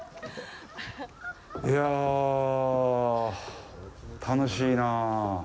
いや、楽しいなあ。